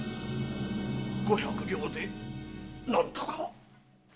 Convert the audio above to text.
五百両で何とか。